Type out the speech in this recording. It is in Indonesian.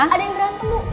ada yang berantem bu